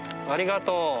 ありがとう。